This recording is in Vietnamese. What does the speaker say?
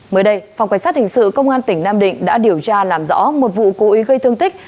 mới đây phòng cảnh sát hình sự công an tỉnh nam định đã điều tra làm rõ một vụ cố ý gây thương tích